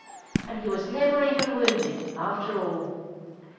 And he was never even wounded, — after all!"